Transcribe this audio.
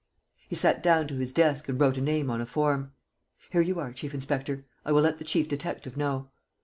He sat down to his desk and wrote a name on a form: "Here you are, chief inspector. I will let the chief detective know."